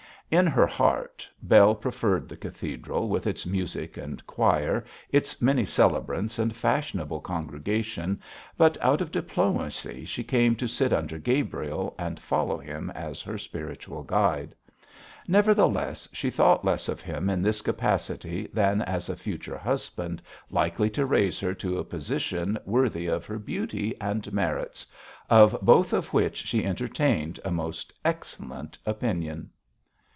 In her heart Bell preferred the cathedral with its music and choir, its many celebrants and fashionable congregation, but out of diplomacy she came to sit under Gabriel and follow him as her spiritual guide. Nevertheless, she thought less of him in this capacity, than as a future husband likely to raise her to a position worthy of her beauty and merits, of both of which she entertained a most excellent opinion.